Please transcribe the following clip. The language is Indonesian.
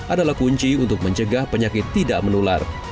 adalah kunci untuk mencegah penyakit tidak menular